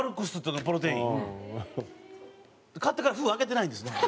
買ってから封開けてないんですねこれ。